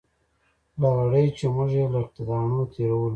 لغړی چې موږ یې له تاڼو تېرولو.